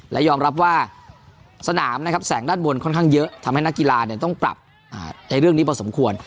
และยอมรับว่าสนามนะครับแสงด้านบนค่อนข้างเยอะทำให้นักกีฬาต้องปรับในเรื่องนี้พอสมควร